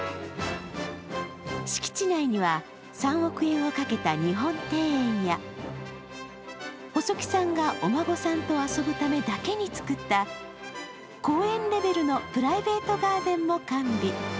敷地内には３億円をかけた日本庭園や細木さんがお孫さんと遊ぶためだけに造った公園レベルのプライベートガーデンも完備。